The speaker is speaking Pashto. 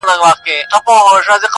• د بلا مخ ته هغه وو پرې ایستلی -